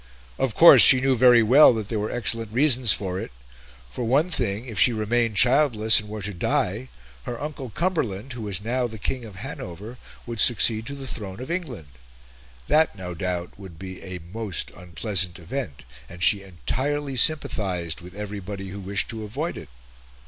Of course, she knew very well that there were excellent reasons for it. For one thing, if she remained childless, and were to die, her uncle Cumberland, who was now the King of Hanover, would succeed to the Throne of England. That, no doubt, would be a most unpleasant event; and she entirely sympathised with everybody who wished to avoid it.